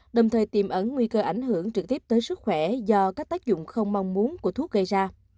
đồng thời tiềm ẩn nguy cơ ảnh hưởng trực tiếp tới sức khỏe do các tác dụng không mong muốn của thuốc gây ra